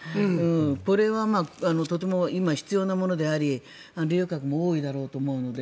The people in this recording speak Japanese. これはとても今、必要なものであり利用客も多いだろうと思うので。